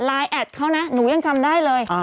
แอดเขานะหนูยังจำได้เลย